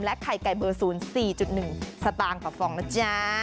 และไข่ไก่เบอร์ศูนย์๔๑สตางค์กับฟองนะจ๊ะ